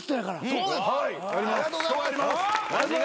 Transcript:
そうですありがとうございます。